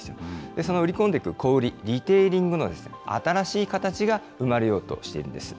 その売り込んでいく小売り、リテイリングの新しい形が生まれようとしているんです。